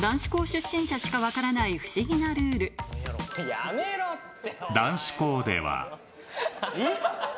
やめろって。